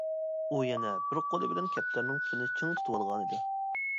ئۇ يەنە بىر قولى بىلەن كەپتەرنىڭ پۇتىنى چىڭ تۇتۇۋالغانىدى.